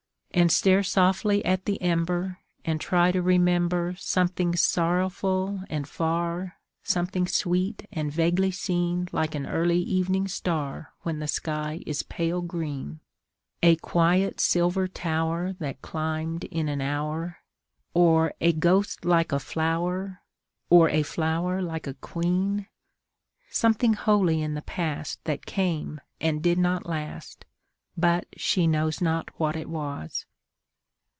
And stare softly at the ember, and try to remember Something sorrowful and far, something sweet and vaguely seen Like an early evening star when the sky is pale green: A quiet silver tower that climbed in an hour, Or a ghost like a flower, or a flower like a queen: Something holy in the past that came and did not last, But she knows not what it was.